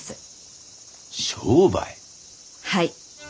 はい。